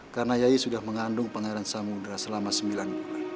karena yai sudah mengandung pengairan samudera selama sembilan bulan